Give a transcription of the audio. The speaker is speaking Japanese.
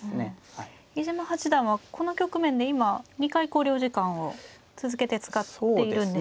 飯島八段はこの局面で今２回考慮時間を続けて使っているんですね。